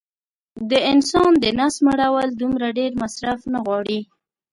د انسان د نس مړول دومره ډېر مصرف نه غواړي